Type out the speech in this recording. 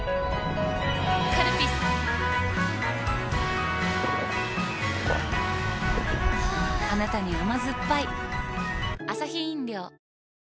カルピスはぁあなたに甘ずっぱい